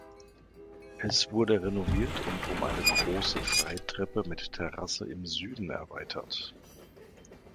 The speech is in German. Es wurde renoviert und um eine große Freitreppe mit Terrasse im Süden erweitert.